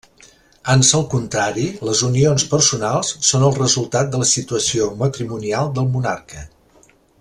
Ans al contrari les unions personals són el resultat de la situació matrimonial del monarca.